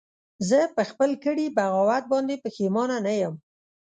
زه په خپل کړي بغاوت باندې پښیمانه نه یم